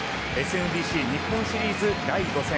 ＳＭＢＣ日本シリーズ第５戦